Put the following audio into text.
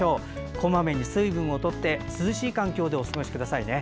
こまめに水分をとって涼しい環境でお過ごしくださいね。